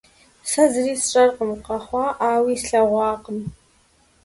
Сэ зыри сщӏэркъым, къэхъуаӏауи слъэгъуакъым.